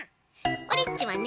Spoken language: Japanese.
オレっちはね